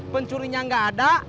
pencurinya ga ada